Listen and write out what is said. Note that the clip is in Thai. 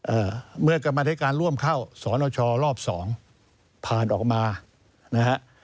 เอ่อเมื่อกรรมธิการร่วมเข้าสอนอชอรอบสองผ่านออกมานะฮะ